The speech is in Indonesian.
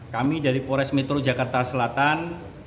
kami dari pores metro jakarta selatan